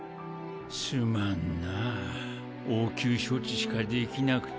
すまんなぁ応急処置しかできなくて。